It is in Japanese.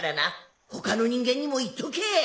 他の人間にも言っとけ！